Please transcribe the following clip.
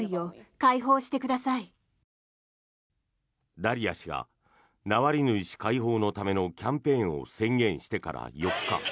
ダリヤ氏がナワリヌイ氏解放のためのキャンペーンを宣言してから４日。